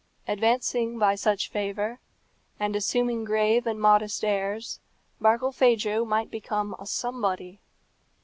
Advancing by such favour, and assuming grave and modest airs, Barkilphedro might become a somebody.